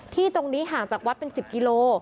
ที่ตรงนี้ห่างจากวัดเป็น๑๐กิโล